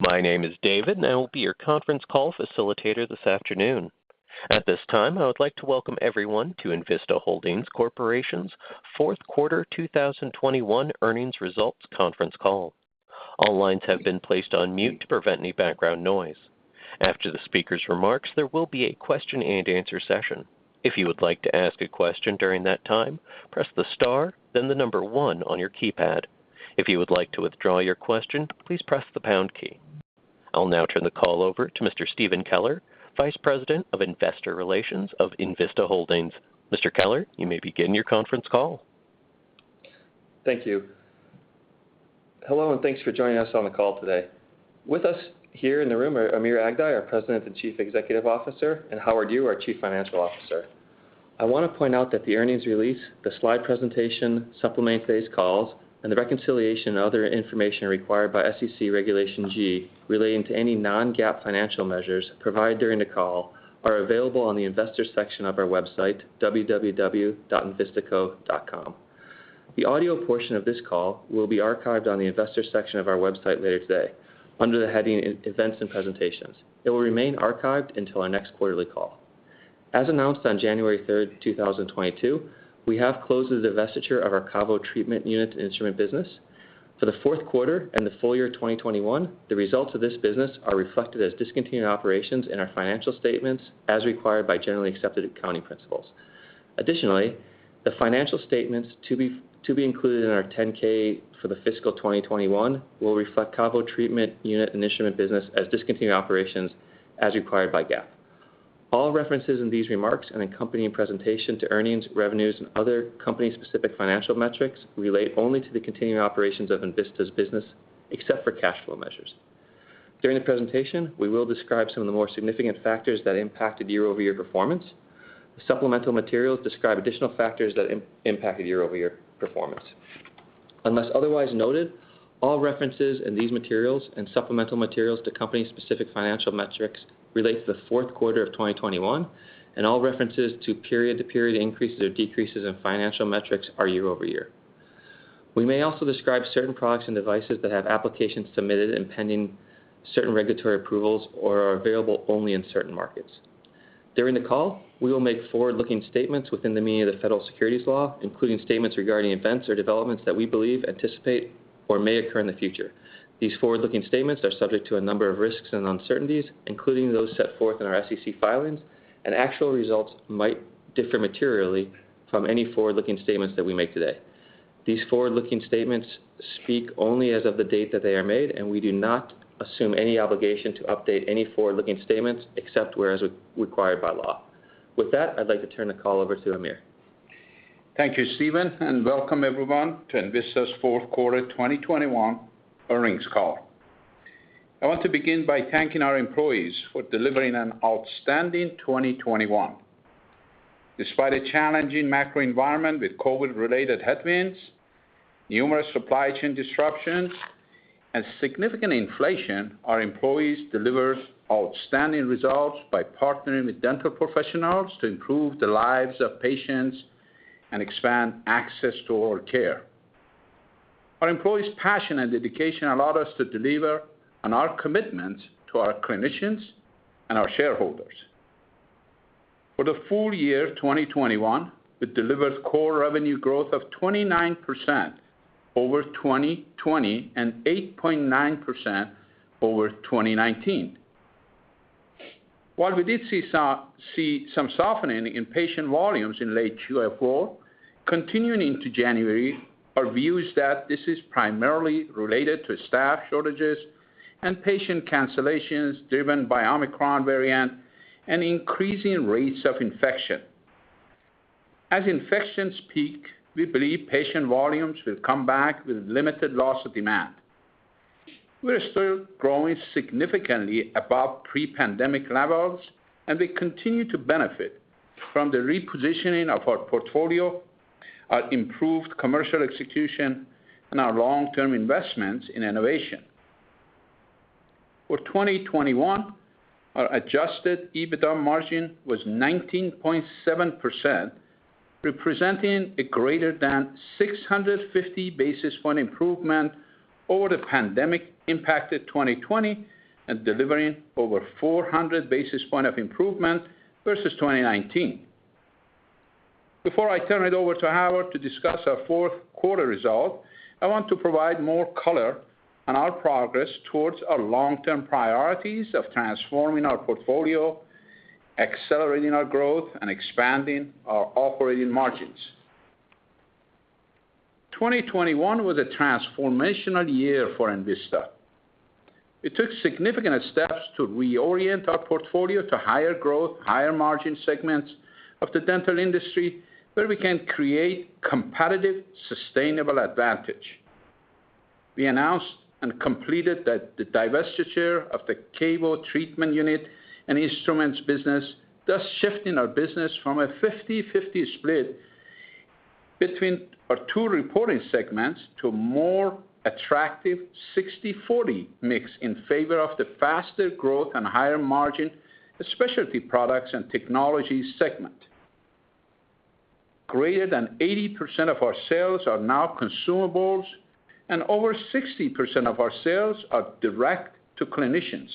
My name is David, and I will be your conference call facilitator this afternoon. At this time, I would like to welcome everyone to Envista Holdings Corporation's Q4 2021 earnings results conference call. All lines have been placed on mute to prevent any background noise. After the speaker's remarks, there will be a question-and-answer session. If you would like to ask a question during that time, press the star, then the number one on your keypad. If you would like to withdraw your question, please press the pound key. I'll now turn the call over to Mr. Stephen Keller, Vice President of Investor Relations of Envista Holdings. Mr. Keller, you may begin your conference call. Thank you. Hello, and thanks for joining us on the call today. With us here in the room are Amir Aghdaei, our President and Chief Executive Officer, and Howard Yu, our Chief Financial Officer. I wanna point out that the earnings release, the slide presentation supplementing today's calls, and the reconciliation and other information required by SEC Regulation G relating to any non-GAAP financial measures provided during the call are available on the investor section of our website, www.envistaco.com. The audio portion of this call will be archived on the investor section of our website later today under the heading Events and Presentations. It will remain archived until our next quarterly call. As announced on January third, two thousand twenty-two, we have closed the divestiture of our KaVo treatment unit instrument business. For the Q4 and the full year 2021, the results of this business are reflected as discontinued operations in our financial statements as required by generally accepted accounting principles. Additionally, the financial statements to be included in our 10-K for the fiscal 2021 will reflect KaVo treatment unit and instrument business as discontinued operations as required by GAAP. All references in these remarks and accompanying presentation to earnings, revenues, and other company-specific financial metrics relate only to the continuing operations of Envista's business, except for cash flow measures. During the presentation, we will describe some of the more significant factors that impacted year-over-year performance. The supplemental materials describe additional factors that impacted year-over-year performance. Unless otherwise noted, all references in these materials and supplemental materials to company-specific financial metrics relate to the Q4 of 2021, and all references to period-to-period increases or decreases in financial metrics are year-over-year. We may also describe certain products and devices that have applications submitted and pending certain regulatory approvals or are available only in certain markets. During the call, we will make forward-looking statements within the meaning of the Federal Securities Law, including statements regarding events or developments that we believe, anticipate, or may occur in the future. These forward-looking statements are subject to a number of risks and uncertainties, including those set forth in our SEC filings, and actual results might differ materially from any forward-looking statements that we make today. These forward-looking statements speak only as of the date that they are made, and we do not assume any obligation to update any forward-looking statements except as required by law. With that, I'd like to turn the call over to Amir. Thank you, Stephen, and welcome everyone to Envista's Q4 2021 earnings call. I want to begin by thanking our employees for delivering an outstanding 2021. Despite a challenging macro environment with COVID-related headwinds, numerous supply chain disruptions, and significant inflation, our employees delivered outstanding results by partnering with dental professionals to improve the lives of patients and expand access to oral care. Our employees' passion and dedication allowed us to deliver on our commitment to our clinicians and our shareholders. For the full year 2021, it delivered core revenue growth of 29% over 2020 and 8.9% over 2019. While we did see some softening in patient volumes in late Q4 continuing to January, our view is that this is primarily related to staff shortages and patient cancellations driven by Omicron variant and increasing rates of infection. As infections peak, we believe patient volumes will come back with limited loss of demand. We're still growing significantly above pre-pandemic levels, and we continue to benefit from the repositioning of our portfolio, our improved commercial execution, and our long-term investments in innovation. For 2021, our adjusted EBITDA margin was 19.7%, representing a greater than 650 basis point improvement over the pandemic-impacted 2020 and delivering over 400 basis point of improvement versus 2019. Before I turn it over to Howard to discuss our Q4 result, I want to provide more color on our progress towards our long-term priorities of transforming our portfolio, accelerating our growth, and expanding our operating margins. 2021 was a transformational year for Envista. It took significant steps to reorient our portfolio to higher growth, higher margin segments of the dental industry where we can create competitive, sustainable advantage. We announced and completed the divestiture of the KaVo treatment unit and instruments business, thus shifting our business from a 50/50 split between our two reporting segments to a more attractive 60/40 mix in favor of the faster growth and higher margin Specialty Products and Technologies segment. Greater than 80% of our sales are now consumables, and over 60% of our sales are direct to clinicians.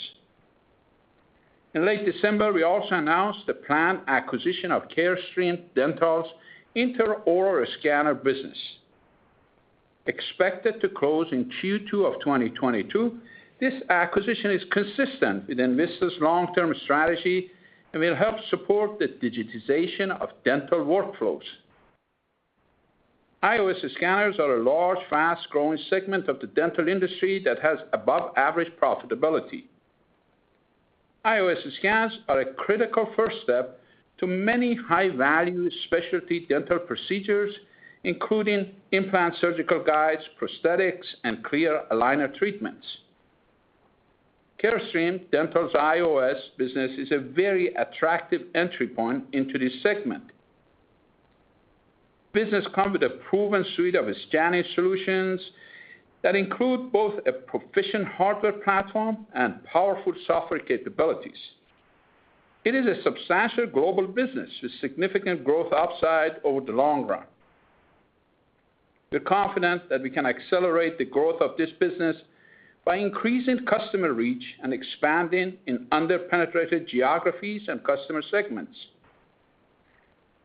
In late December, we also announced the planned acquisition of Carestream Dental's intraoral scanner business. Expected to close in Q2 of 2022, this acquisition is consistent with Envista's long-term strategy and will help support the digitization of dental workflows. IOS scanners are a large, fast-growing segment of the dental industry that has above-average profitability. IOS scans are a critical first step to many high-value specialty dental procedures, including implant surgical guides, prosthetics, and clear aligner treatments. Carestream Dental's IOS business is a very attractive entry point into this segment. Business comes with a proven suite of scanning solutions that include both a proficient hardware platform and powerful software capabilities. It is a substantial global business with significant growth upside over the long run. We're confident that we can accelerate the growth of this business by increasing customer reach and expanding in under-penetrated geographies and customer segments.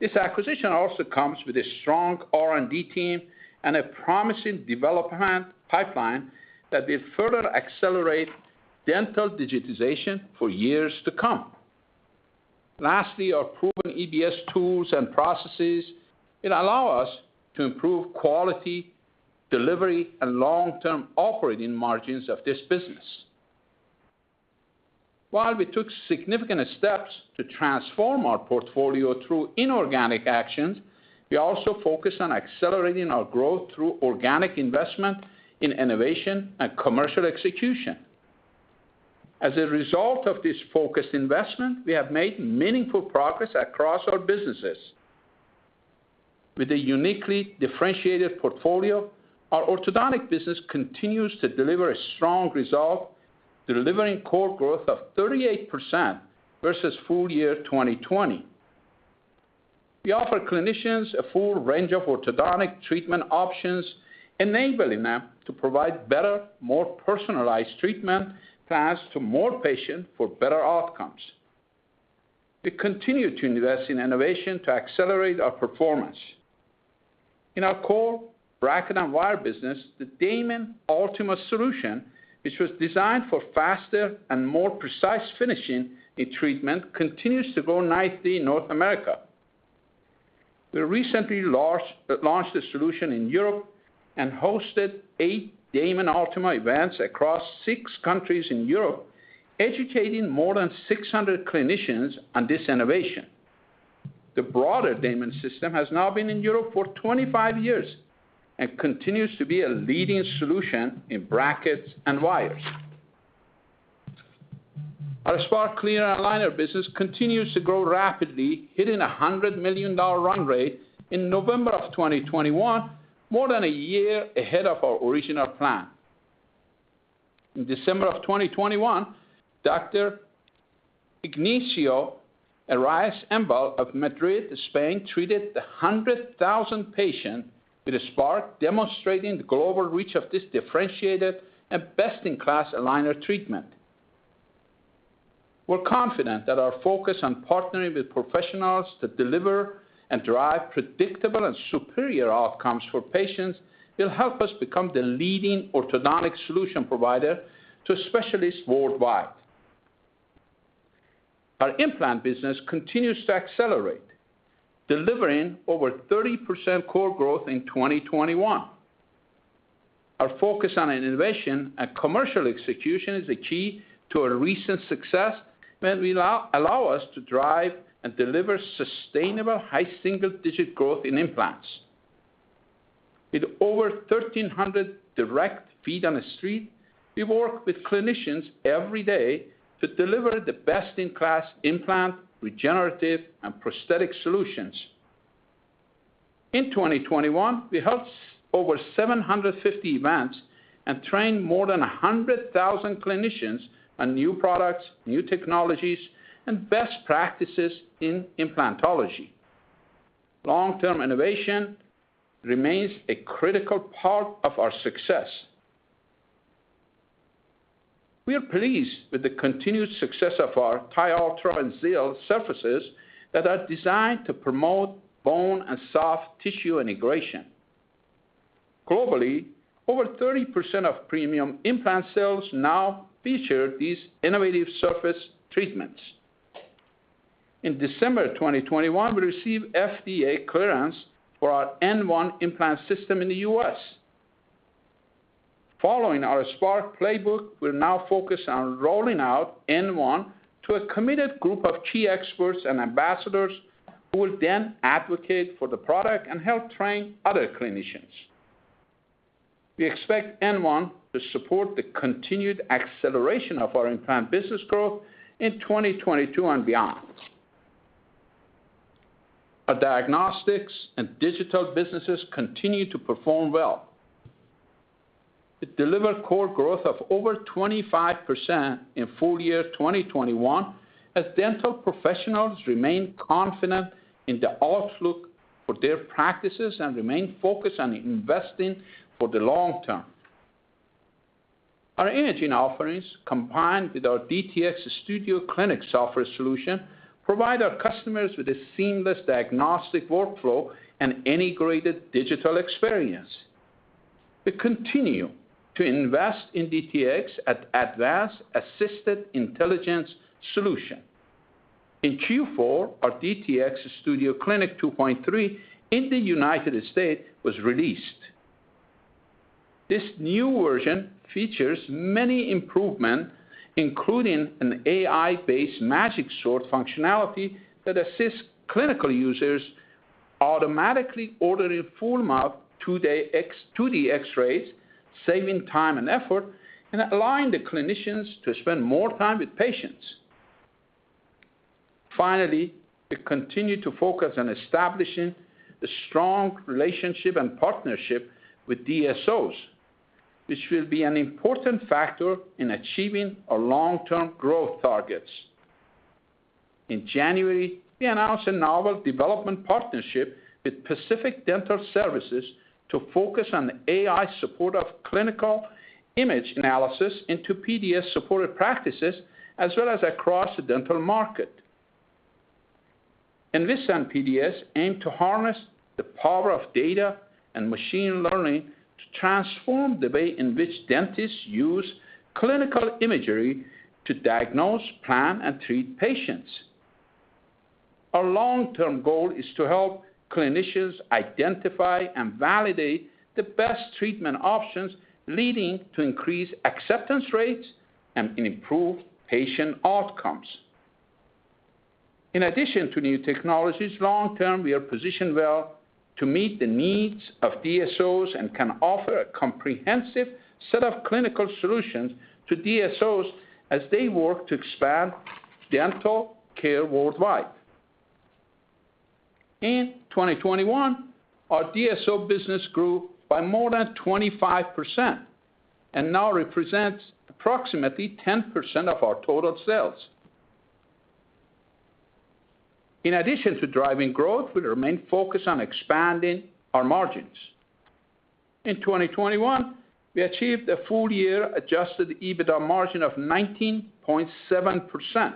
This acquisition also comes with a strong R&D team and a promising development pipeline that will further accelerate dental digitization for years to come. Lastly, our proven EBS tools and processes allow us to improve quality, delivery, and long-term operating margins of this business. While we took significant steps to transform our portfolio through inorganic actions, we also focused on accelerating our growth through organic investment in innovation and commercial execution. As a result of this focused investment, we have made meaningful progress across our businesses. With a uniquely differentiated portfolio, our orthodontic business continues to deliver a strong result, delivering core growth of 38% versus full year 2020. We offer clinicians a full range of orthodontic treatment options, enabling them to provide better, more personalized treatment paths to more patients for better outcomes. We continue to invest in innovation to accelerate our performance. In our core bracket and wire business, the Damon Ultima solution, which was designed for faster and more precise finishing in treatment, continues to grow nicely in North America. We recently launched the solution in Europe and hosted eight Damon Ultima events across six countries in Europe, educating more than 600 clinicians on this innovation. The broader Damon system has now been in Europe for 25 years and continues to be a leading solution in brackets and wires. Our Spark clear aligner business continues to grow rapidly, hitting a $100 million run rate in November 2021, more than a year ahead of our original plan. In December 2021, Dr. Ignacio Arias-Embil of Madrid, Spain, treated the 100,000th patient with a Spark, demonstrating the global reach of this differentiated and best-in-class aligner treatment. We're confident that our focus on partnering with professionals to deliver and drive predictable and superior outcomes for patients will help us become the leading orthodontic solution provider to specialists worldwide. Our implant business continues to accelerate, delivering over 30% core growth in 2021. Our focus on innovation and commercial execution is a key to our recent success that will allow us to drive and deliver sustainable high single-digit growth in implants. With over 1,300 direct feet on the street, we work with clinicians every day to deliver the best-in-class implant, regenerative, and prosthetic solutions. In 2021, we held over 750 events and trained more than 100,000 clinicians on new products, new technologies, and best practices in implantology. Long-term innovation remains a critical part of our success. We are pleased with the continued success of our TiUltra and Xeal surfaces that are designed to promote bone and soft tissue integration. Globally, over 30% of premium implant sales now feature these innovative surface treatments. In December 2021, we received FDA clearance for our N1 implant system in the US. Following our Spark playbook, we'll now focus on rolling out N1 to a committed group of key experts and ambassadors who will then advocate for the product and help train other clinicians. We expect N1 to support the continued acceleration of our implant business growth in 2022 and beyond. Our diagnostics and digital businesses continue to perform well. It delivered core growth of over 25% in full year 2021, as dental professionals remain confident in the outlook for their practices and remain focused on investing for the long term. Our imaging offerings, combined with our DTX Studio Clinic software solution, provide our customers with a seamless diagnostic workflow and integrated digital experience. We continue to invest in DTX at Assisted Intelligence solution. In Q4, our DTX Studio Clinic 2.3 in the United States was released. This new version features many improvements, including an AI-based magic sort functionality that assists clinical users automatically ordering full mouth 2D x-rays, saving time and effort, and allowing the clinicians to spend more time with patients. We continue to focus on establishing a strong relationship and partnership with DSOs, which will be an important factor in achieving our long-term growth targets. In January, we announced a novel development partnership with Pacific Dental Services to focus on AI support of clinical image analysis in PDS-supported practices, as well as across the dental market. Envista and PDS aim to harness the power of data and machine learning to transform the way in which dentists use clinical imagery to diagnose, plan, and treat patients. Our long-term goal is to help clinicians identify and validate the best treatment options, leading to increased acceptance rates and improved patient outcomes. In addition to new technologies, long term, we are positioned well to meet the needs of DSOs and can offer a comprehensive set of clinical solutions to DSOs as they work to expand dental care worldwide. In 2021, our DSO business grew by more than 25% and now represents approximately 10% of our total sales. In addition to driving growth, we remain focused on expanding our margins. In 2021, we achieved a full year adjusted EBITDA margin of 19.7%.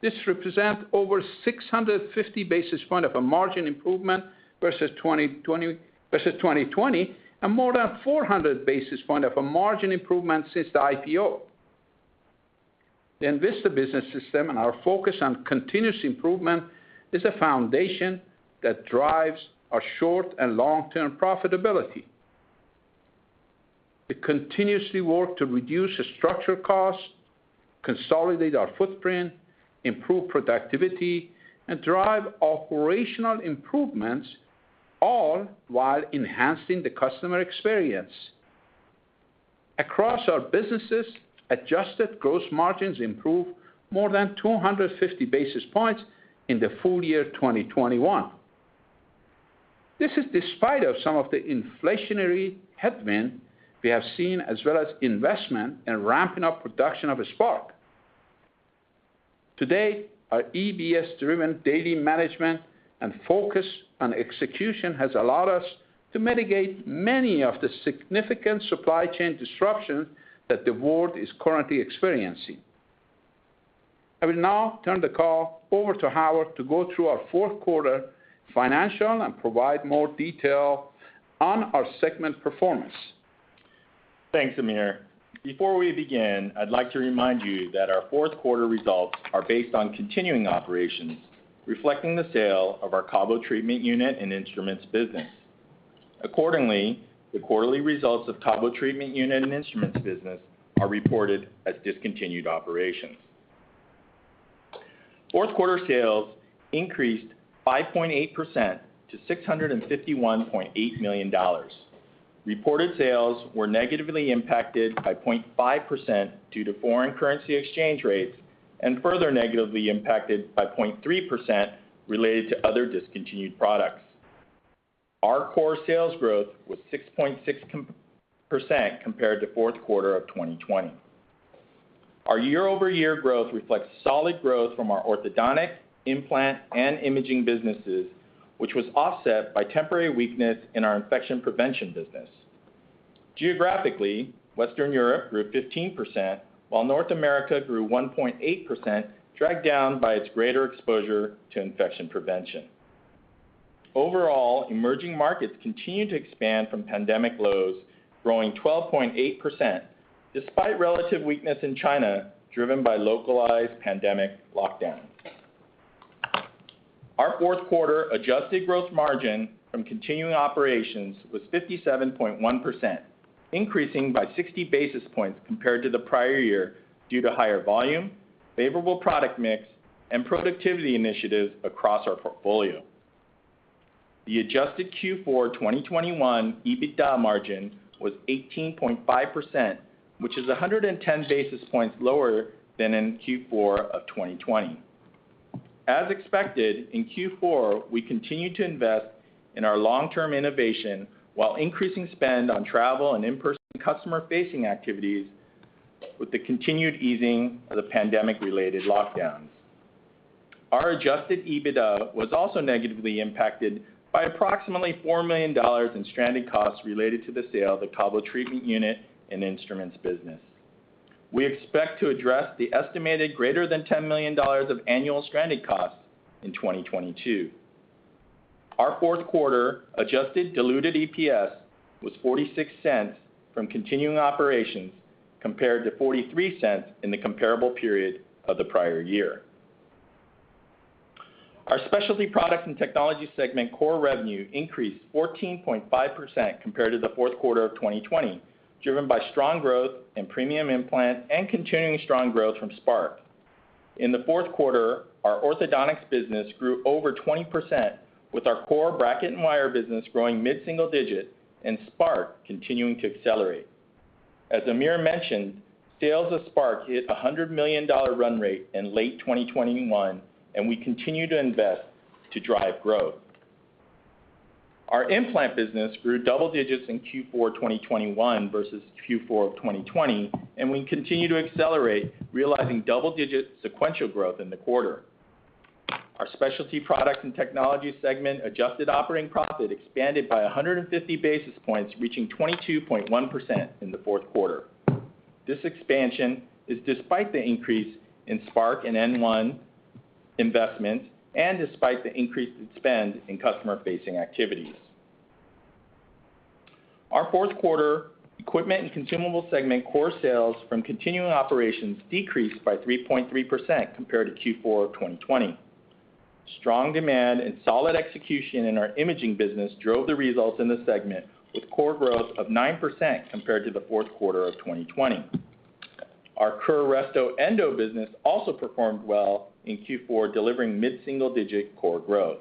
This represent over 650 basis point of a margin improvement versus 2020, and more than 400 basis point of a margin improvement since the IPO. The Envista business system and our focus on continuous improvement is a foundation that drives our short and long-term profitability. We continuously work to reduce the structural costs, consolidate our footprint, improve productivity, and drive operational improvements, all while enhancing the customer experience. Across our businesses, adjusted gross margins improved more than 250 basis points in the full year 2021. This is despite some of the inflationary headwind we have seen, as well as investment in ramping up production of Spark. Today, our EBS-driven daily management and focus on execution has allowed us to mitigate many of the significant supply chain disruptions that the world is currently experiencing. I will now turn the call over to Howard to go through our Q4 financials and provide more detail on our segment performance. Thanks, Amir. Before we begin, I'd like to remind you that our Q4 results are based on continuing operations, reflecting the sale of our KaVo treatment unit and instruments business. Accordingly, the quarterly results of KaVo treatment unit and instruments business are reported as discontinued operations. Fourth quarter sales increased 5.8% to $651.8 million. Reported sales were negatively impacted by 0.5% due to foreign currency exchange rates and further negatively impacted by 0.3% related to other discontinued products. Our core sales growth was 6.6% compared to Q4 of 2020. Our year-over-year growth reflects solid growth from our orthodontic, implant, and imaging businesses, which was offset by temporary weakness in our infection prevention business. Geographically, Western Europe grew 15%, while North America grew 1.8%, dragged down by its greater exposure to infection prevention. Overall, emerging markets continue to expand from pandemic lows, growing 12.8%, despite relative weakness in China, driven by localized pandemic lockdowns. Our Q4 adjusted growth margin from continuing operations was 57.1%, increasing by 60 basis points compared to the prior year due to higher volume, favorable product mix, and productivity initiatives across our portfolio. The adjusted Q4 2021 EBITDA margin was 18.5%, which is 110 basis points lower than in Q4 of 2020. As expected, in Q4, we continued to invest in our long-term innovation while increasing spend on travel and in-person customer-facing activities with the continued easing of the pandemic-related lockdowns. Our adjusted EBITDA was also negatively impacted by approximately $4 million in stranded costs related to the sale of the KaVo treatment unit and instruments business. We expect to address the estimated greater than $10 million of annual stranded costs in 2022. Our Q4 adjusted diluted EPS was $0.46 from continuing operations compared to $0.43 in the comparable period of the prior year. Our specialty products and technology segment core revenue increased 14.5% compared to the Q4 of 2020, driven by strong growth in premium implant and continuing strong growth from Spark. In the Q4, our orthodontics business grew over 20% with our core bracket and wire business growing mid-single digit and Spark continuing to accelerate. As Amir mentioned, sales of Spark hit a $100 million run rate in late 2021, and we continue to invest to drive growth. Our implant business grew double digits in Q4 2021 versus Q4 of 2020, and we continue to accelerate, realizing double-digit sequential growth in the quarter. Our specialty products and technology segment adjusted operating profit expanded by 150 basis points, reaching 22.1% in the Q4. This expansion is despite the increase in Spark and N1 investments and despite the increased spend in customer-facing activities. Our Q4 equipment and consumables segment core sales from continuing operations decreased by 3.3% compared to Q4 of 2020. Strong demand and solid execution in our imaging business drove the results in the segment with core growth of 9% compared to the Q4 of 2020. Our Kerr Endo business also performed well in Q4, delivering mid-single-digit core growth.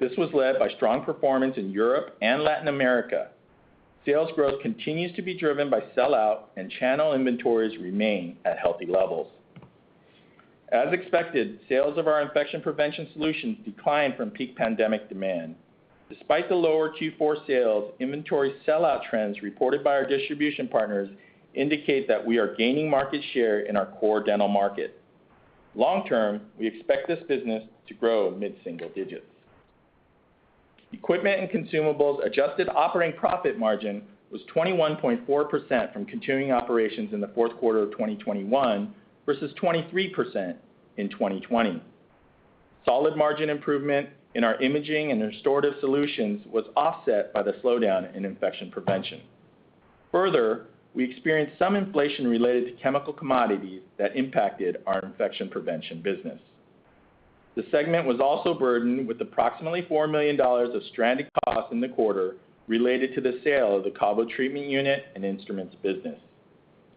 This was led by strong performance in Europe and Latin America. Sales growth continues to be driven by sell-out and channel inventories remain at healthy levels. As expected, sales of our infection prevention solutions declined from peak pandemic demand. Despite the lower Q4 sales, inventory sell-out trends reported by our distribution partners indicate that we are gaining market share in our core dental market. Long-term, we expect this business to grow mid-single digits. Equipment and Consumables adjusted operating profit margin was 21.4% from continuing operations in the Q4 of 2021 versus 23% in 2020. Solid margin improvement in our Imaging and Restorative Solutions was offset by the slowdown in infection prevention. Further, we experienced some inflation related to chemical commodities that impacted our infection prevention business. The segment was also burdened with approximately $4 million of stranded costs in the quarter related to the sale of the KaVo treatment unit and instruments business.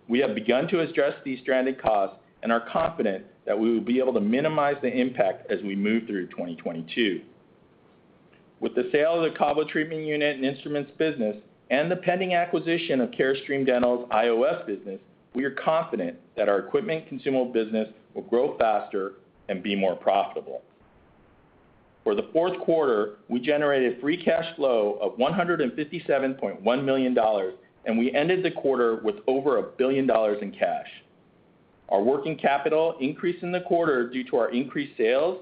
We have begun to address these stranded costs and are confident that we will be able to minimize the impact as we move through 2022. With the sale of the KaVo treatment unit and instruments business and the pending acquisition of Carestream Dental's IOS business, we are confident that our equipment consumable business will grow faster and be more profitable. For the Q4, we generated free cash flow of $157.1 million, and we ended the quarter with over $1 billion in cash. Our working capital increased in the quarter due to our increased sales,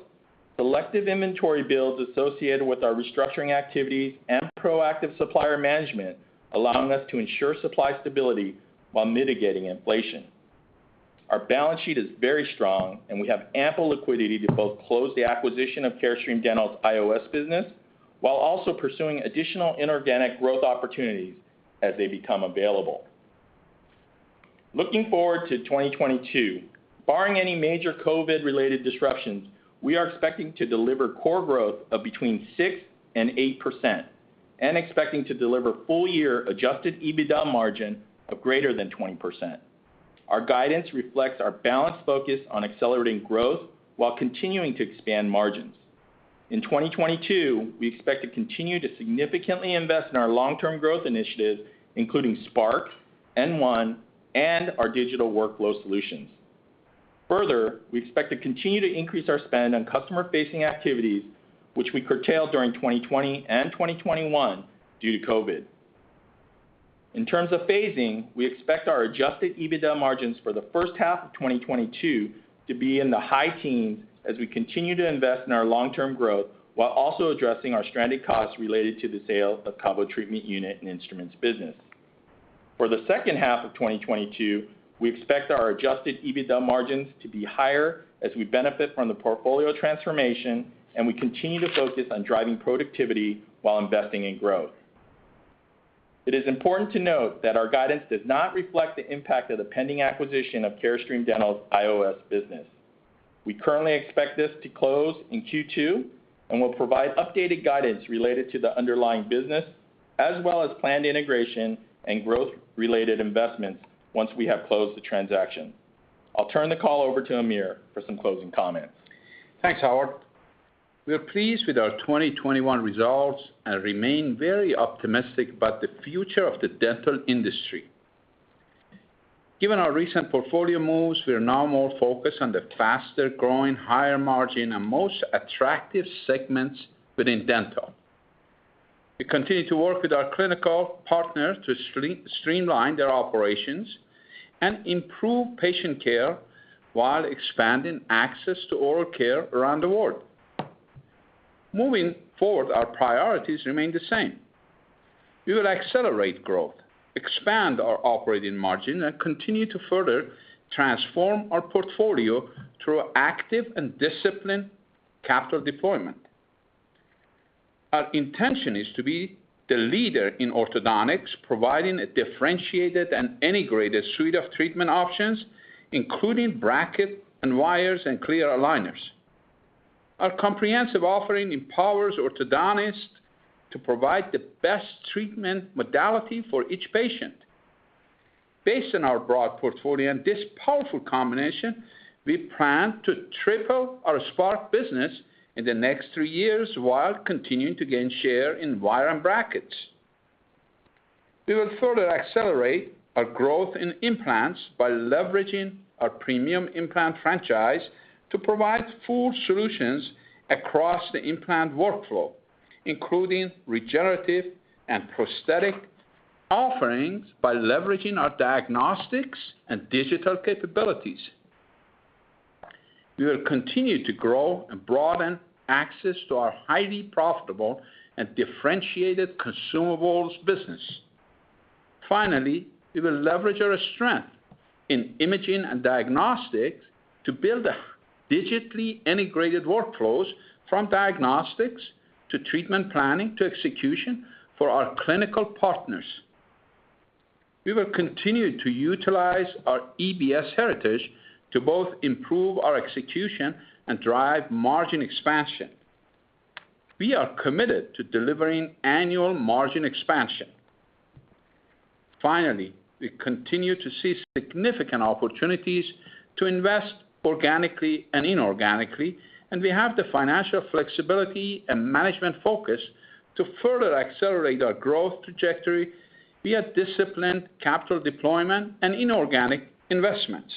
selective inventory builds associated with our restructuring activities, and proactive supplier management, allowing us to ensure supply stability while mitigating inflation. Our balance sheet is very strong, and we have ample liquidity to both close the acquisition of Carestream Dental's IOS business while also pursuing additional inorganic growth opportunities as they become available. Looking forward to 2022, barring any major COVID-related disruptions, we are expecting to deliver core growth of between 6% and 8% and expecting to deliver full year adjusted EBITDA margin of greater than 20%. Our guidance reflects our balanced focus on accelerating growth while continuing to expand margins. In 2022, we expect to continue to significantly invest in our long-term growth initiatives, including Spark, N1, and our digital workflow solutions. Further, we expect to continue to increase our spend on customer-facing activities, which we curtailed during 2020 and 2021 due to COVID. In terms of phasing, we expect our adjusted EBITDA margins for the H1 of 2022 to be in the high teens as we continue to invest in our long-term growth while also addressing our stranded costs related to the sale of KaVo treatment unit and instruments business. For the H2 of 2022, we expect our adjusted EBITDA margins to be higher as we benefit from the portfolio transformation, and we continue to focus on driving productivity while investing in growth. It is important to note that our guidance does not reflect the impact of the pending acquisition of Carestream Dental's IOS business. We currently expect this to close in Q2, and we'll provide updated guidance related to the underlying business as well as planned integration and growth-related investments once we have closed the transaction. I'll turn the call over to Amir for some closing comments. Thanks, Howard. We are pleased with our 2021 results and remain very optimistic about the future of the dental industry. Given our recent portfolio moves, we are now more focused on the faster-growing, higher margin, and most attractive segments within dental. We continue to work with our clinical partners to streamline their operations and improve patient care while expanding access to oral care around the world. Moving forward, our priorities remain the same. We will accelerate growth, expand our operating margin, and continue to further transform our portfolio through active and disciplined capital deployment. Our intention is to be the leader in orthodontics, providing a differentiated and integrated suite of treatment options, including bracket and wires and clear aligners. Our comprehensive offering empowers orthodontists to provide the best treatment modality for each patient. Based on our broad portfolio and this powerful combination, we plan to triple our Spark business in the next three years while continuing to gain share in wire and brackets. We will further accelerate our growth in implants by leveraging our premium implant franchise to provide full solutions across the implant workflow, including regenerative and prosthetic offerings by leveraging our diagnostics and digital capabilities. We will continue to grow and broaden access to our highly profitable and differentiated consumables business. Finally, we will leverage our strength in imaging and diagnostics to build digitally integrated workflows from diagnostics to treatment planning to execution for our clinical partners. We will continue to utilize our EBS heritage to both improve our execution and drive margin expansion. We are committed to delivering annual margin expansion. Finally, we continue to see significant opportunities to invest organically and inorganically, and we have the financial flexibility and management focus to further accelerate our growth trajectory via disciplined capital deployment and inorganic investments.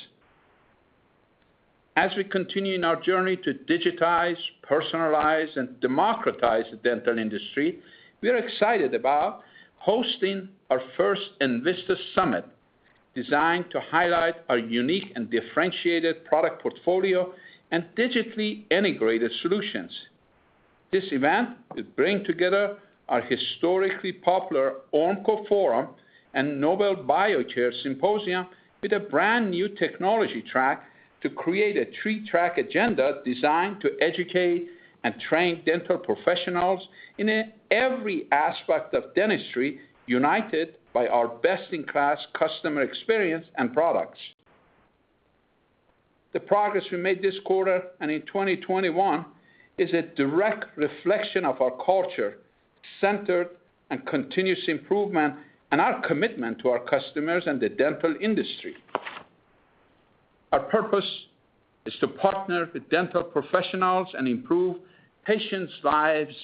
As we continue in our journey to digitize, personalize, and democratize the dental industry, we are excited about hosting our first investor summit designed to highlight our unique and differentiated product portfolio and digitally integrated solutions. This event will bring together our historically popular Ormco Forum and Nobel Biocare Symposium with a brand-new technology track to create a three-track agenda designed to educate and train dental professionals in every aspect of dentistry, united by our best-in-class customer experience and products. The progress we made this quarter and in 2021 is a direct reflection of our culture, centered on continuous improvement and our commitment to our customers and the dental industry. Our purpose is to partner with dental professionals and improve patients' lives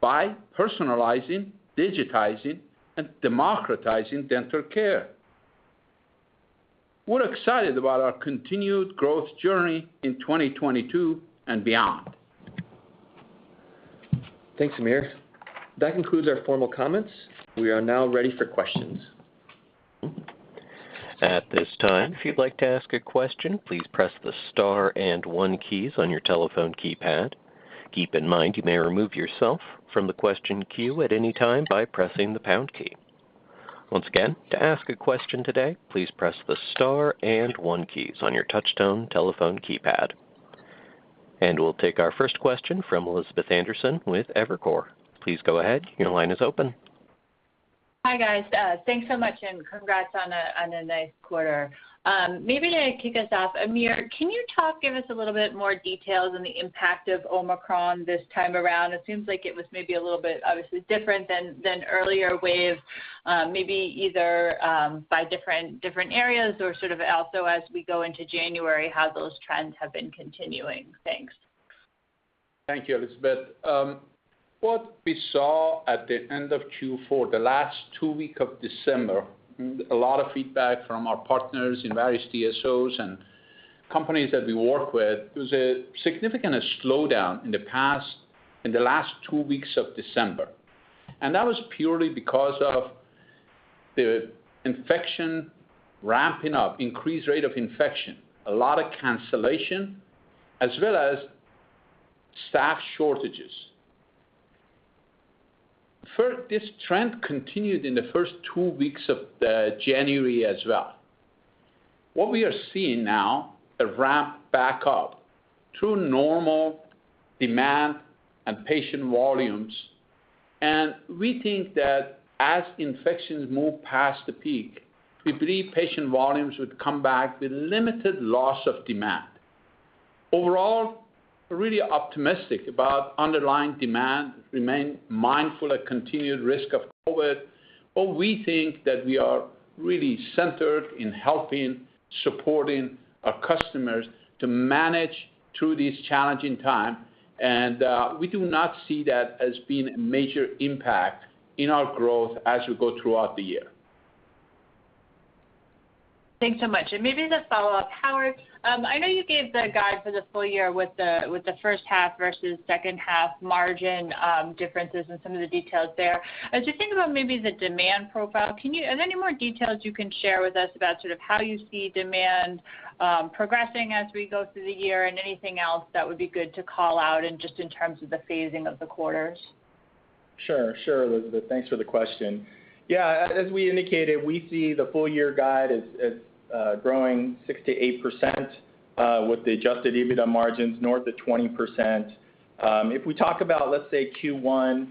by personalizing, digitizing, and democratizing dental care. We're excited about our continued growth journey in 2022 and beyond. Thanks, Amir. That concludes our formal comments. We are now ready for questions. At this time, if you'd like to ask a question, please press the star and one keys on your telephone keypad. Keep in mind you may remove yourself from the question queue at any time by pressing the pound key. Once again, to ask a question today, please press the star and one keys on your touchtone telephone keypad. We'll take our first question from Elizabeth Anderson with Evercore. Please go ahead. Your line is open. Hi, guys. Thanks so much and congrats on a nice quarter. Maybe to kick us off, Amir, can you talk, give us a little bit more details on the impact of Omicron this time around? It seems like it was maybe a little bit, obviously, different than earlier waves, maybe either by different areas or sort of also as we go into January, how those trends have been continuing. Thanks. Thank you, Elizabeth. What we saw at the end of Q4, the last two weeks of December, a lot of feedback from our partners in various DSOs and companies that we work with, there was a significant slowdown in the last two weeks of December. That was purely because of the infection ramping up, increased rate of infection, a lot of cancellation, as well as staff shortages. This trend continued in the first two weeks of January as well. What we are seeing now, a ramp back up to normal demand and patient volumes, and we think that as infections move past the peak, we believe patient volumes would come back with limited loss of demand. Overall, we're really optimistic about underlying demand, remain mindful of continued risk of COVID, but we think that we are really centered in helping supporting our customers to manage through this challenging time. We do not see that as being a major impact in our growth as we go throughout the year. Thanks so much. Maybe the follow-up, Howard, I know you gave the guide for the full year with the H1 versus H2 margin differences and some of the details there. As you think about maybe the demand profile, are there any more details you can share with us about sort of how you see demand progressing as we go through the year and anything else that would be good to call out in just in terms of the phasing of the quarters? Sure. Sure, Elizabeth. Thanks for the question. Yeah, as we indicated, we see the full year guide as growing 6%-8% with the adjusted EBITDA margins north of 20%. If we talk about, let's say, Q1,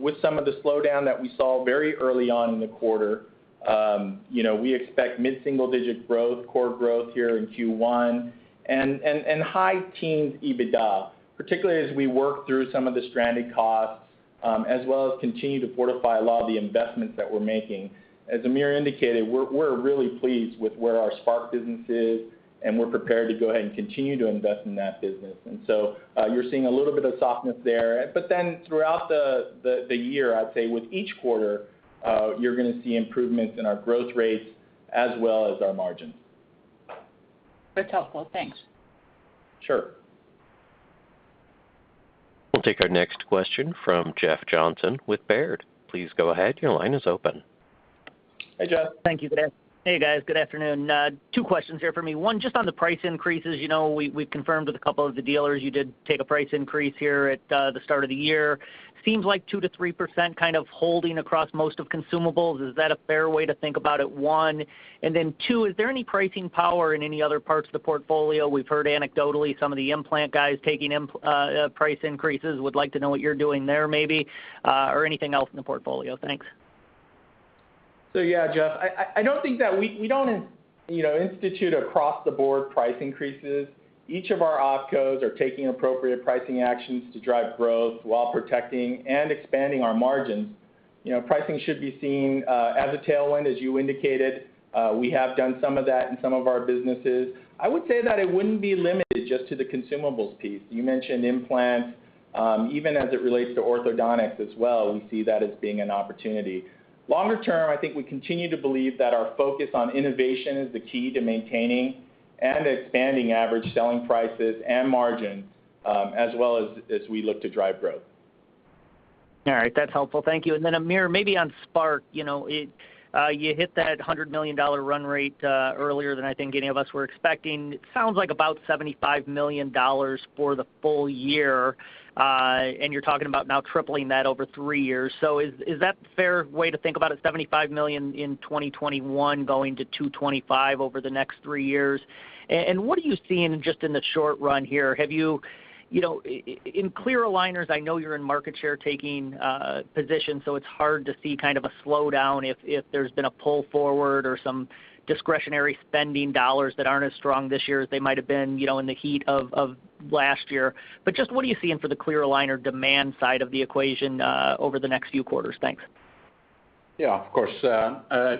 with some of the slowdown that we saw very early on in the quarter, we expect mid-single-digit growth, core growth here in Q1 and high teens EBITDA, particularly as we work through some of the stranded costs, as well as continue to fortify a lot of the investments that we're making. As Amir indicated, we're really pleased with where our Spark business is, and we're prepared to go ahead and continue to invest in that business. You're seeing a little bit of softness there. Throughout the year, I'd say with each quarter, you're gonna see improvements in our growth rates as well as our margins. That's helpful. Thanks. Sure. We'll take our next question from Jeff Johnson with Baird. Please go ahead. Your line is open. Hi, Jeff. Thank you. Good afternoon. Two questions here from me. One, just on the price increases. You know, we've confirmed with a couple of the dealers you did take a price increase here at the start of the year. Seems like 2% to 3% kind of holding across most of consumables. Is that a fair way to think about it, one? Two, is there any pricing power in any other parts of the portfolio? We've heard anecdotally some of the implant guys taking price increases, would like to know what you're doing there maybe, or anything else in the portfolio. Thanks. Yeah, Jeff, I don't think that we institute across-the-board price increases. Each of our opcos are taking appropriate pricing actions to drive growth while protecting and expanding our margins. You know, pricing should be seen as a tailwind, as you indicated. We have done some of that in some of our businesses. I would say that it wouldn't be limited just to the consumables piece. You mentioned implants, even as it relates to orthodontics as well, we see that as being an opportunity. Longer term, I think we continue to believe that our focus on innovation is the key to maintaining and expanding average selling prices and margins, as well as we look to drive growth. All right. That's helpful. Thank you. Amir, maybe on Spark, you know, you hit that $100 million run rate earlier than I think any of us were expecting. It sounds like about $75 million for the full year, and you're talking about now tripling that over three years. Is that a fair way to think about it, $75 million in 2021 going to $225 million over the next three years? What are you seeing just in the short run here? Have you know, in clear aligners, I know you're in market share taking position, so it's hard to see kind of a slowdown if there's been a pull forward or some discretionary spending dollars that aren't as strong this year as they might have been, you know, in the heat of last year. Just what are you seeing for the clear aligner demand side of the equation, over the next few quarters? Thanks. Yeah, of course.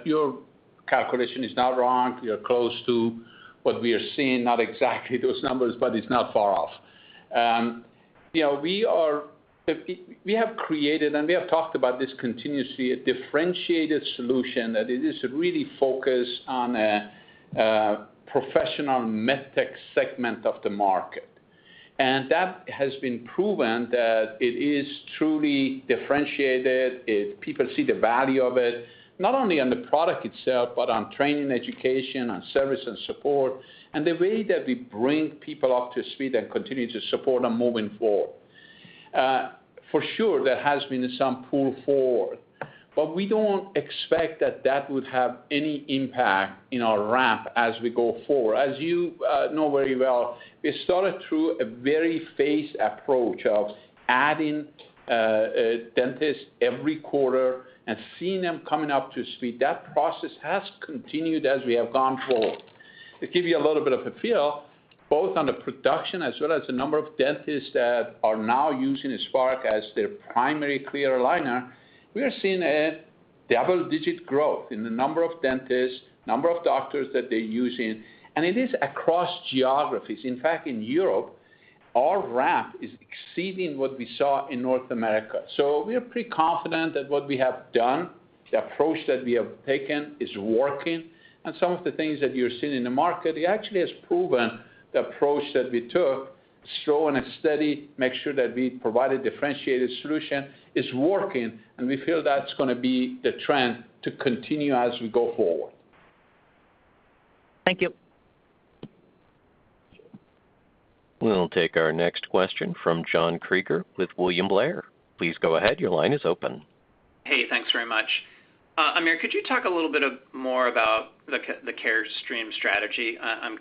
Your calculation is not wrong. You're close to what we are seeing, not exactly those numbers, but it's not far off. You know, we have created, and we have talked about this continuously, a differentiated solution that it is really focused on the professional med tech segment of the market. That has been proven that it is truly differentiated. People see the value of it, not only on the product itself, but on training, education, on service and support, and the way that we bring people up to speed and continue to support them moving forward. For sure, there has been some pull forward, but we don't expect that would have any impact in our ramp as we go forward. As you know very well, we started through a very phased approach of adding dentists every quarter and seeing them coming up to speed. That process has continued as we have gone forward. To give you a little bit of a feel, both on the production as well as the number of dentists that are now using Spark as their primary clear aligner, we are seeing a double-digit growth in the number of dentists, number of doctors that they're using, and it is across geographies. In fact, in Europe, our ramp is exceeding what we saw in North America. We are pretty confident that what we have done, the approach that we have taken is working. Some of the things that you're seeing in the market, it actually has proven the approach that we took, slow and steady, make sure that we provide a differentiated solution, is working, and we feel that's gonna be the trend to continue as we go forward. Thank you. We'll take our next question from John Kreger with William Blair. Please go ahead. Your line is open. Hey, thanks very much. Amir, could you talk a little bit more about the Carestream strategy? I'm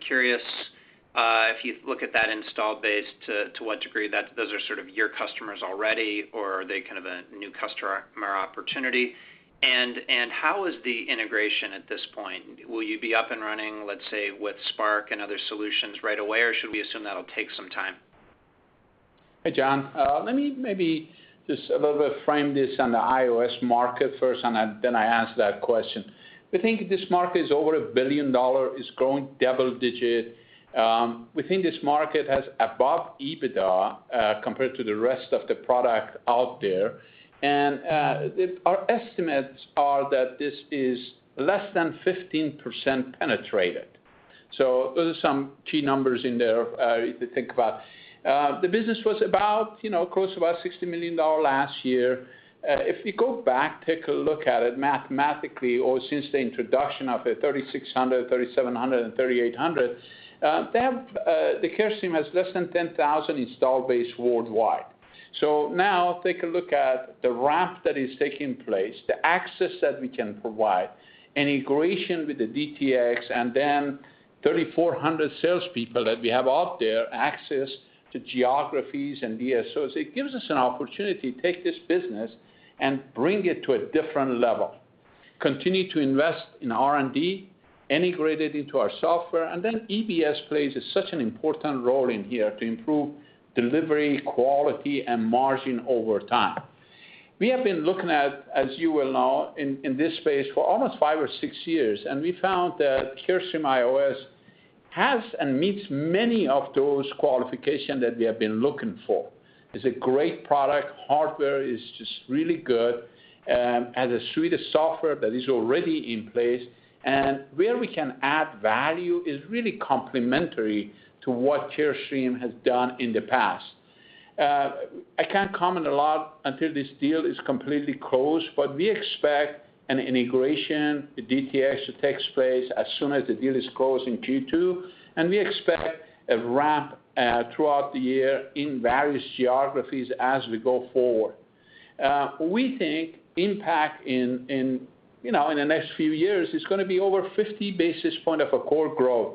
curious if you look at that installed base, to what degree that those are sort of your customers already, or are they kind of a new customer opportunity? How is the integration at this point? Will you be up and running, let's say, with Spark and other solutions right away, or should we assume that'll take some time? Hey, John. Let me maybe just a little bit frame this on the IOS market first, and then I ask that question. We think this market is over $1 billion, is growing double-digit. We think this market has higher EBITDA compared to the rest of the product out there. Our estimates are that this is less than 15% penetrated. So those are some key numbers in there to think about. The business was about, you know, close to $60 million last year. If you go back, take a look at it mathematically or since the introduction of the 3,600, 3,700, and 3,800, the Carestream has less than 10,000 installed base worldwide. Now take a look at the ramp that is taking place, the access that we can provide, and integration with the DTX, and then 3,400 salespeople that we have out there, access to geographies and DSOs. It gives us an opportunity to take this business and bring it to a different level, continue to invest in R&D, integrate it into our software, and then EBS plays such an important role in here to improve delivery, quality, and margin over time. We have been looking at, as you well know, in this space for almost five or six years, and we found that Carestream IOS has and meets many of those qualifications that we have been looking for. It's a great product. Hardware is just really good. Has a suite of software that is already in place, and where we can add value is really complementary to what Carestream has done in the past. I can't comment a lot until this deal is completely closed, but we expect an integration, the DTX takes place as soon as the deal is closed in Q2, and we expect a ramp throughout the year in various geographies as we go forward. We think impact in you know in the next few years is gonna be over 50 basis points of core growth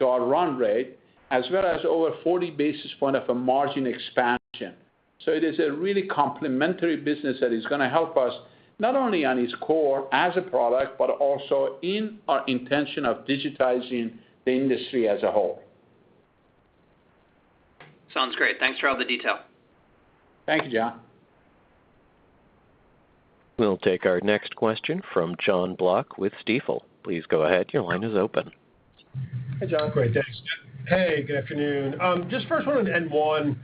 to our run rate, as well as over 40 basis points of margin expansion. It is a really complementary business that is gonna help us, not only on its core as a product, but also in our intention of digitizing the industry as a whole. Sounds great. Thanks for all the detail. Thank you, John. We'll take our next question from Jonathan Block with Stifel. Please go ahead. Your line is open. Hey, John. Great, thanks. Hey, good afternoon. Just first wanted N1,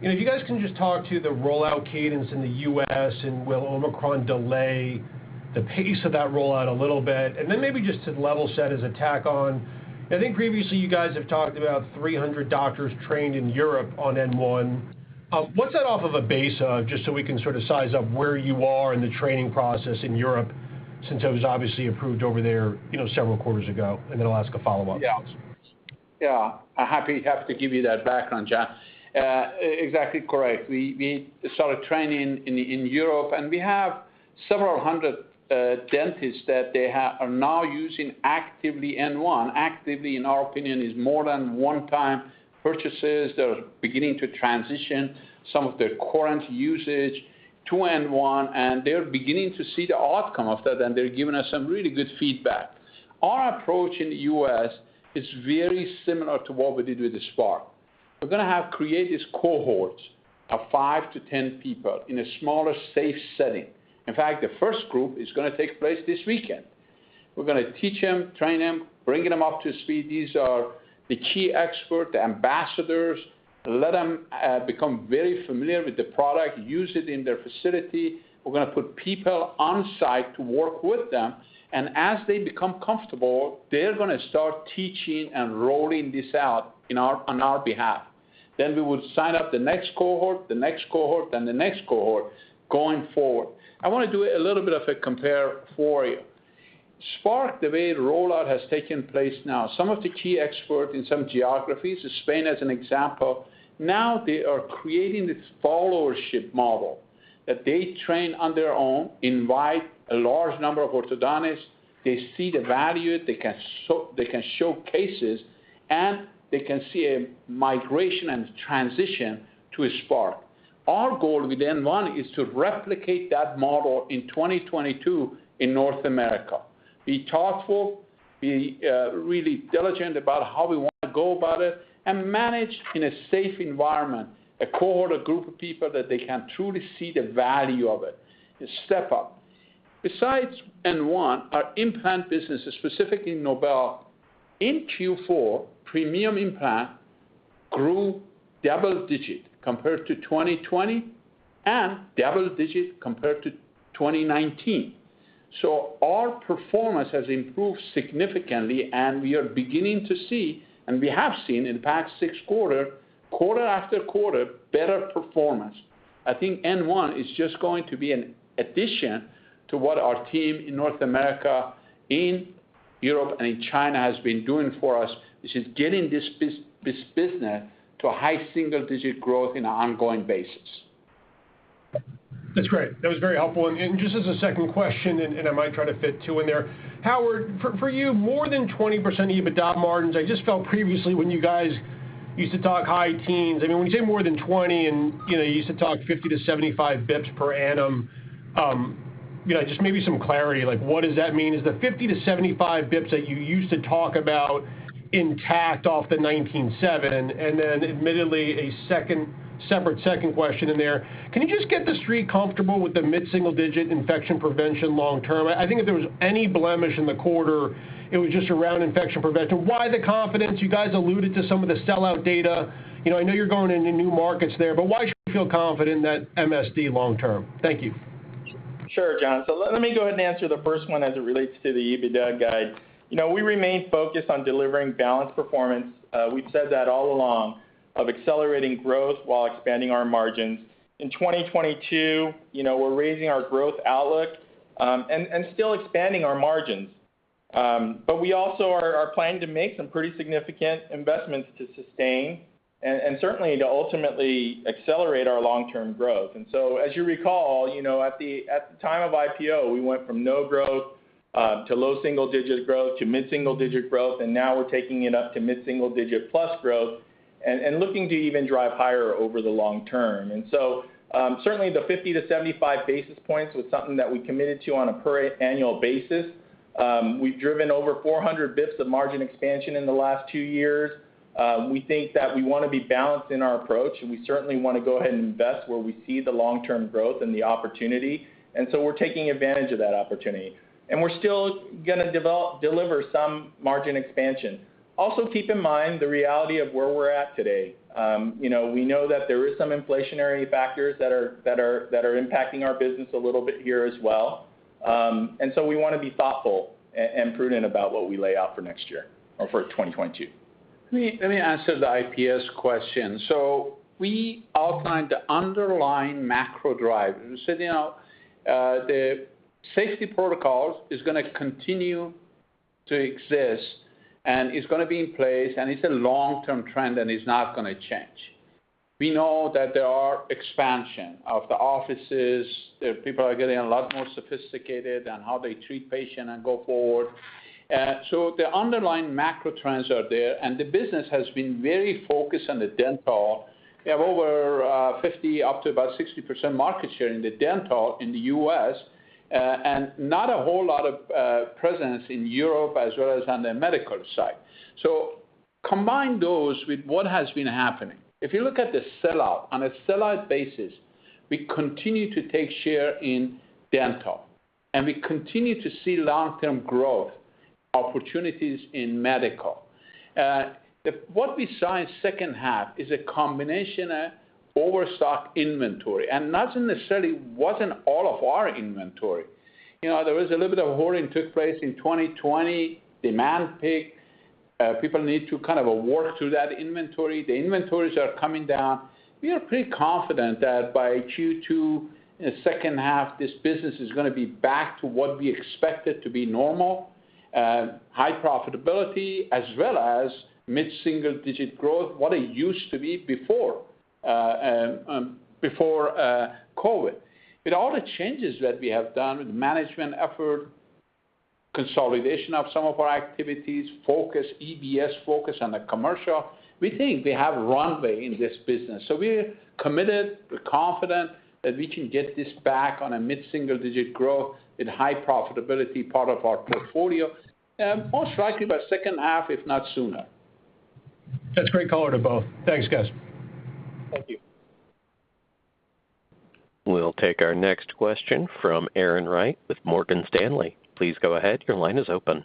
you know, if you guys can just talk to the rollout cadence in the U.S. and will Omicron delay the pace of that rollout a little bit? Then maybe just to level set as a tack on, I think previously you guys have talked about 300 doctors trained in Europe on N1. What's that off of a base of, just so we can sort of size up where you are in the training process in Europe, since it was obviously approved over there, you know, several quarters ago? Then I'll ask a follow-up. Yeah. I'm happy to give you that background, John. Exactly correct. We started training in Europe, and we have several hundred dentists that are now using actively N1. Actively, in our opinion, is more than one-time purchases. They're beginning to transition some of their current usage to N1, and they're beginning to see the outcome of that, and they're giving us some really good feedback. Our approach in the US is very similar to what we did with the Spark. We're gonna have created cohorts of five to 10 people in a smaller, safe setting. In fact, the first group is gonna take place this weekend. We're gonna teach them, train them, bring them up to speed. These are the key expert, the ambassadors. Let them become very familiar with the product, use it in their facility. We're gonna put people on site to work with them, and as they become comfortable, they're gonna start teaching and rolling this out on our behalf. We will sign up the next cohort going forward. I wanna do a little bit of a comparison for you. Spark, the way the rollout has taken place now, some of the key experts in some geographies, Spain as an example, now they are creating this followership model that they train on their own, invite a large number of orthodontists. They see the value, they can show cases, and they can see a migration and transition to a Spark. Our goal with N1 is to replicate that model in 2022 in North America. Be thoughtful, really diligent about how we want to go about it, and manage in a safe environment, a cohort, a group of people that they can truly see the value of it, a step up. Besides N1, our implant business, specifically Nobel, in Q4, premium implant grew double-digit compared to 2020 and double-digit compared to 2019. Our performance has improved significantly, and we are beginning to see, and we have seen in the past six quarters, quarter after quarter, better performance. I think N1 is just going to be an addition to what our team in North America, in Europe, and in China has been doing for us, which is getting this business to a high single-digit growth on an ongoing basis. That's great. That was very helpful. Just as a second question, I might try to fit two in there. Howard, for you, more than 20% EBITDA margins, I just felt previously when you guys used to talk high teens. I mean, when you say more than 20% and, you know, you used to talk 50-75 bps per annum. Yeah, just maybe some clarity, like what does that mean? Is the 50-75 bps that you used to talk about intact off the 19.7? Then admittedly a second question in there, can you just get the Street comfortable with the mid-single-digit Infection Prevention long-term? I think if there was any blemish in the quarter, it was just around Infection Prevention. Why the confidence? You guys alluded to some of the sellout data. You know, I know you're going into new markets there, but why should we feel confident in that MSD long term? Thank you. Sure, John. Let me go ahead and answer the first one as it relates to the EBITDA guide. You know, we remain focused on delivering balanced performance. We've said that all along, on accelerating growth while expanding our margins. In 2022, you know, we're raising our growth outlook and still expanding our margins. But we also are planning to make some pretty significant investments to sustain and certainly to ultimately accelerate our long-term growth. As you recall, you know, at the time of IPO, we went from no growth to low single-digit growth, to mid-single-digit growth, and now we're taking it up to mid-single-digit plus growth and looking to even drive higher over the long term. Certainly the 50-75 basis points was something that we committed to on a per annum basis. We've driven over 400 basis points of margin expansion in the last two years. We think that we wanna be balanced in our approach, and we certainly wanna go ahead and invest where we see the long-term growth and the opportunity. We're taking advantage of that opportunity. We're still gonna deliver some margin expansion. Also, keep in mind the reality of where we're at today. You know, we know that there is some inflationary factors that are impacting our business a little bit here as well. We wanna be thoughtful and prudent about what we lay out for next year or for 2022. Let me answer the IPS question. We outlined the underlying macro drivers and said, the safety protocols is gonna continue to exist, and it's gonna be in place, and it's a long-term trend, and it's not gonna change. We know that there are expansion of the offices. The people are getting a lot more sophisticated on how they treat patient and go forward. The underlying macro trends are there, and the business has been very focused on the dental. We have over 50, up to about 60% market share in the dental in the U.S., and not a whole lot of presence in Europe as well as on the medical side. Combine those with what has been happening. If you look at the sellout, on a sellout basis, we continue to take share in dental, and we continue to see long-term growth opportunities in medical. What we saw in H2 is a combination, overstock inventory and not necessarily wasn't all of our inventory. You know, there was a little bit of hoarding took place in 2020, demand peak. People need to kind of work through that inventory. The inventories are coming down. We are pretty confident that by Q2, in the H2, this business is gonna be back to what we expect it to be normal, high profitability as well as mid-single-digit growth, what it used to be before, COVID. With all the changes that we have done with management effort, consolidation of some of our activities, focus, EBS focus on the commercial, we think we have runway in this business. We're committed. We're confident that we can get this back on a mid-single-digit growth with high profitability, part of our portfolio, most likely by H2, if not sooner. That's great color to both. Thanks, guys. Thank you. We'll take our next question from Erin Wright with Morgan Stanley. Please go ahead. Your line is open.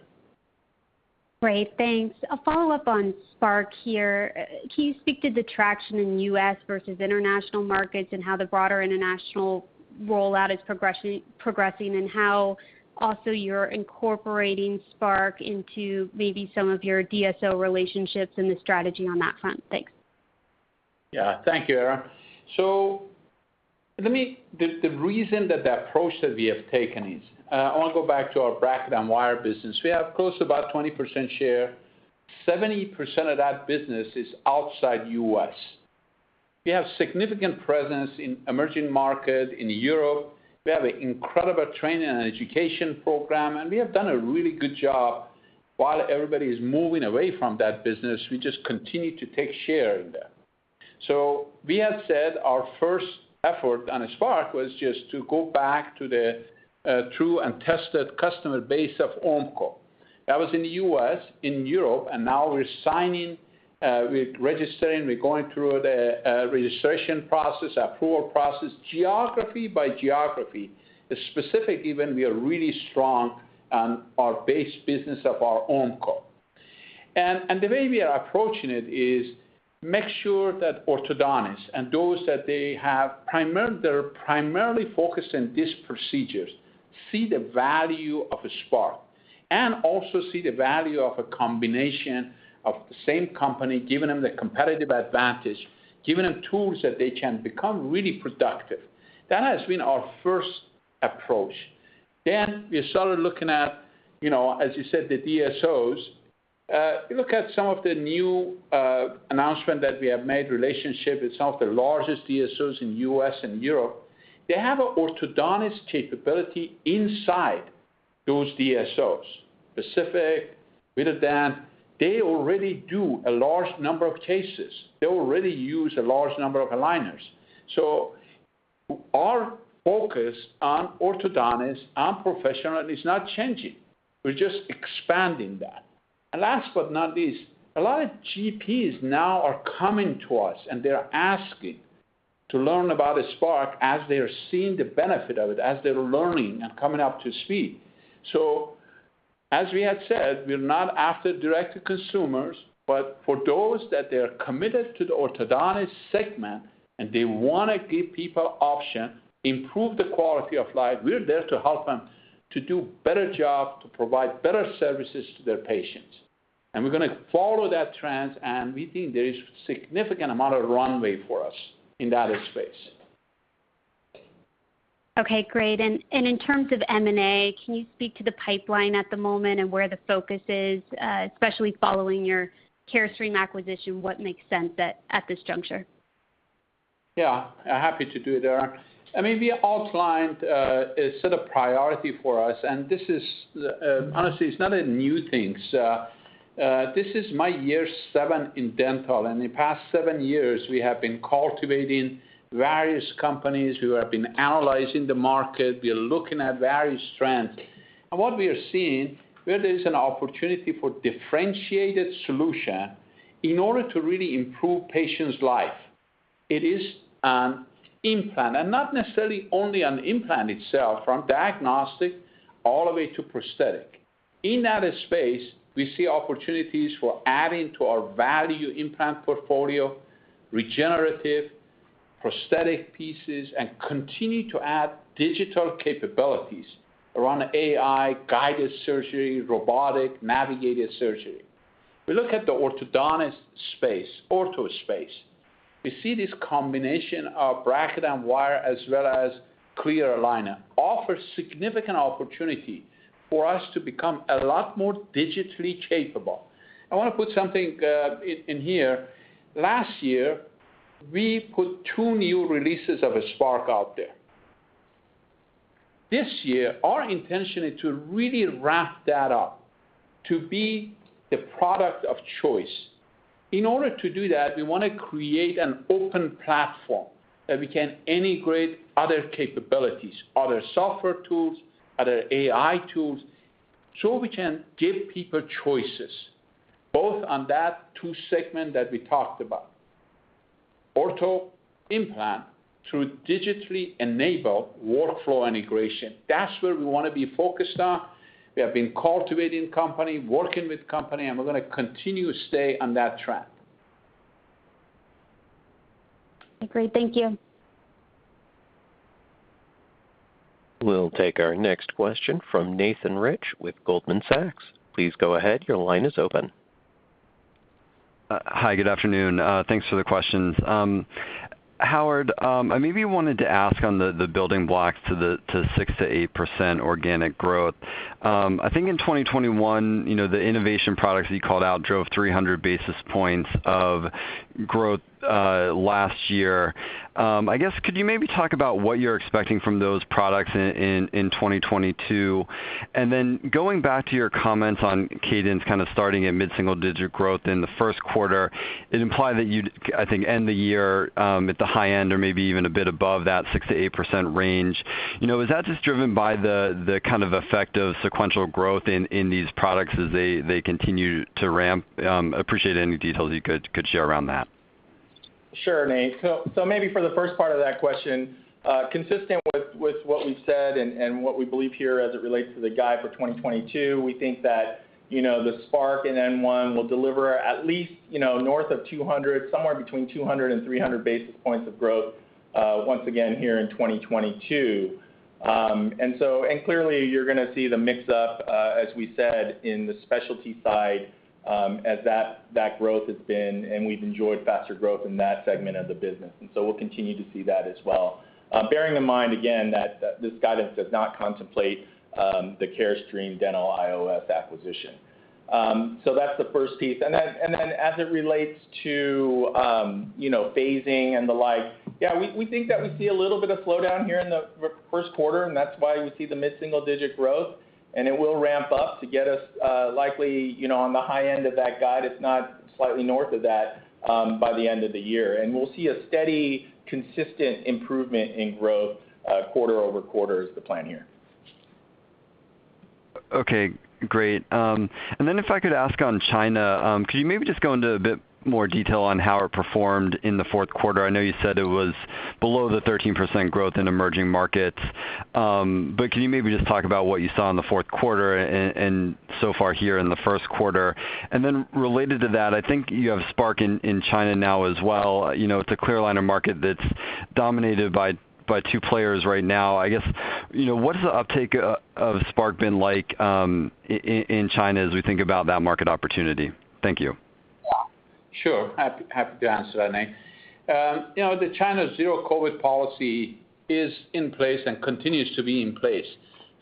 Great. Thanks. A follow-up on Spark here. Can you speak to the traction in US versus international markets and how the broader international rollout is progressing and how also you're incorporating Spark into maybe some of your DSO relationships and the strategy on that front? Thanks. Yeah. Thank you, Erin. Let me. The reason that the approach that we have taken is, I wanna go back to our bracket and wire business. We have close to about 20% share. 70% of that business is outside US. We have significant presence in emerging market, in Europe. We have an incredible training and education program, and we have done a really good job. While everybody is moving away from that business, we just continue to take share in that. We have said our first effort on Spark was just to go back to the true and tested customer base of Ormco. That was in the US, in Europe, and now we're signing, we're registering, we're going through the registration process, approval process, geography by geography, the specific event we are really strong on our base business of our Ormco. The way we are approaching it is make sure that orthodontists and those that they're primarily focused on these procedures see the value of a Spark and also see the value of a combination of the same company giving them the competitive advantage, giving them tools that they can become really productive. That has been our first approach. We started looking at, you know, as you said, the DSOs. If you look at some of the new announcements that we have made, relationships with some of the largest DSOs in US and Europe, they have an orthodontist capability inside those DSOs, Pacific, Vitaldent, they already do a large number of cases. They already use a large number of aligners. Our focus on orthodontists and professionals is not changing. We're just expanding that. Last but not least, a lot of GPs now are coming to us, and they're asking to learn about Spark as they're seeing the benefit of it, as they're learning and coming up to speed. As we had said, we're not after direct to consumers, but for those that they are committed to the orthodontist segment, and they wanna give people option, improve the quality of life, we're there to help them to do better job, to provide better services to their patients. We're gonna follow that trend, and we think there is significant amount of runway for us in that space. Okay, great. In terms of M&A, can you speak to the pipeline at the moment and where the focus is, especially following your Carestream acquisition, what makes sense at this juncture? Yeah, happy to do that. I mean, we outlined a set of priorities for us, and this is, honestly, it's not a new thing. This is my year seven in dental, and the past seven years, we have been cultivating various companies. We have been analyzing the market. We are looking at various trends. What we are seeing, where there is an opportunity for differentiated solution in order to really improve patient's life, it is an implant, and not necessarily only an implant itself, from diagnostic all the way to prosthetic. In that space, we see opportunities for adding to our value implant portfolio, regenerative prosthetic pieces, and continue to add digital capabilities around AI, guided surgery, robotic, navigated surgery. We look at the orthodontist space, ortho space. We see this combination of bracket and wire as well as clear aligner offers significant opportunity for us to become a lot more digitally capable. I wanna put something in here. Last year, we put 2 new releases of Spark out there. This year, our intention is to really wrap that up to be the product of choice. In order to do that, we wanna create an open platform that we can integrate other capabilities, other software tools, other AI tools, so we can give people choices, both on those two segments that we talked about, ortho, implant, through digitally enabled workflow integration. That's where we wanna be focused on. We have been cultivating companies, working with companies, and we're gonna continue to stay on that track. Okay, great. Thank you. We'll take our next question from Nathan Rich with Goldman Sachs. Please go ahead. Your line is open. Hi, good afternoon. Thanks for the questions. Howard, I maybe wanted to ask on the building blocks to the 6%-8% organic growth. I think in 2021, you know, the innovation products that you called out drove 300 basis points of growth last year. I guess could you maybe talk about what you're expecting from those products in 2022? Then going back to your comments on cadence kind of starting at mid-single-digit growth in the Q1, it implied that you'd, I think, end the year at the high end or maybe even a bit above that 6%-8% range. You know, is that just driven by the kind of effect of sequential growth in these products as they continue to ramp? I appreciate any details you could share around that. Sure, Nate. Maybe for the first part of that question, consistent with what we've said and what we believe here as it relates to the guide for 2022, we think that the Spark and N1 will deliver at least north of 200, somewhere between 200 and 300 basis points of growth, once again here in 2022. Clearly you're gonna see the mix-up as we said in the specialty side, as that growth has been, and we've enjoyed faster growth in that segment of the business. We'll continue to see that as well. Bearing in mind again that this guidance does not contemplate the Carestream Dental IOS acquisition. That's the first piece. As it relates to, you know, phasing and the like, yeah, we think that we see a little bit of slowdown here in the Q1, and that's why we see the mid-single digit growth, and it will ramp up to get us, likely, you know, on the high end of that guide, if not slightly north of that, by the end of the year. We'll see a steady, consistent improvement in growth, quarter-over-quarter is the plan here. Okay, great. Then if I could ask on China, could you maybe just go into a bit more detail on how it performed in the Q4? I know you said it was below the 13% growth in emerging markets, but can you maybe just talk about what you saw in the Q4 and so far here in the Q1? Then related to that, I think you have Spark in China now as well. You know, it's a clear aligner market that's dominated by two players right now. I guess, you know, what is the uptake of Spark been like in China as we think about that market opportunity? Thank you. Sure. Happy to answer that, Nate. You know, the China zero COVID policy is in place and continues to be in place.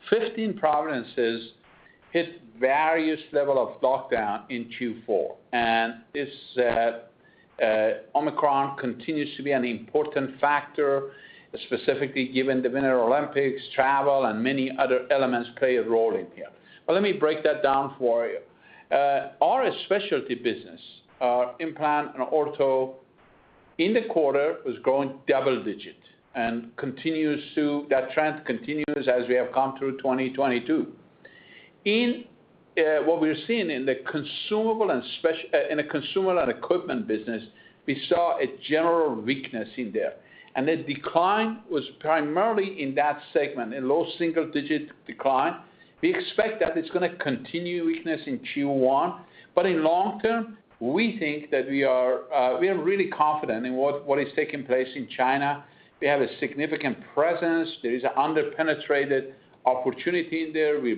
15 provinces hit various levels of lockdown in Q4. This, Omicron continues to be an important factor, specifically given the Winter Olympics, travel, and many other elements play a role in here. Let me break that down for you. Our specialty business, our implant and ortho in the quarter was growing double-digit and that trend continues as we have come through 2022. What we're seeing in the consumables and equipment business, we saw a general weakness in there. The decline was primarily in that segment, a low single-digit decline. We expect that it's gonna continue weakness in Q1. In long term, we think that we are really confident in what is taking place in China. We have a significant presence. There is an under-penetrated opportunity in there. We're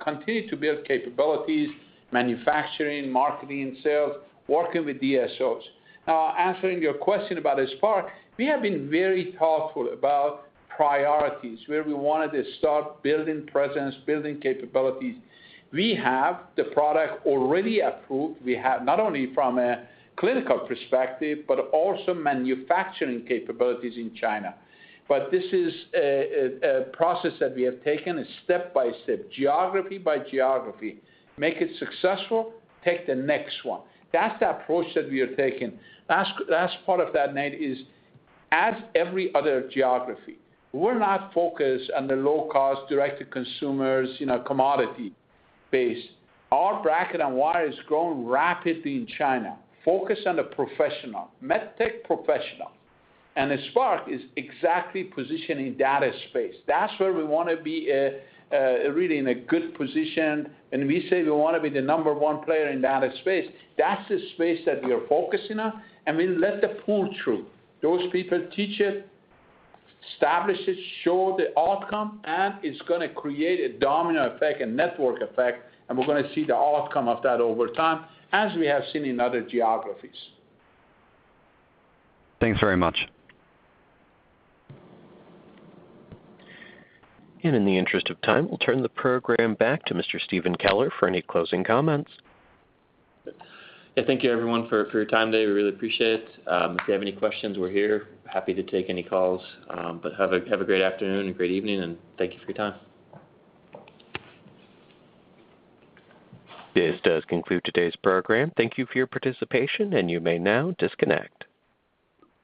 continue to build capabilities, manufacturing, marketing, and sales, working with DSOs. Now answering your question about Spark, we have been very thoughtful about priorities, where we wanted to start building presence, building capabilities. We have the product already approved. We have not only from a clinical perspective, but also manufacturing capabilities in China. This is a process that we have taken step by step, geography by geography, make it successful, take the next one. That's the approach that we are taking. Last part of that, Nate, is as every other geography, we're not focused on the low cost, direct to consumers, you know, commodity base. Our bracket and wire has grown rapidly in China, focused on the professional, medtech professional. Spark is exactly positioned in data space. That's where we wanna be, really in a good position. We say we wanna be the number one player in data space. That's the space that we are focusing on, and we let the pool through. Those people teach it, establish it, show the outcome, and it's gonna create a domino effect, a network effect, and we're gonna see the outcome of that over time, as we have seen in other geographies. Thanks very much. In the interest of time, we'll turn the program back to Mr. Stephen Keller for any closing comments. Yeah, thank you everyone for your time today. We really appreciate it. If you have any questions, we're here, happy to take any calls. Have a great afternoon and great evening, and thank you for your time. This does conclude today's program. Thank you for your participation, and you may now disconnect.